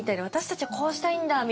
私たちはこうしたいんだ！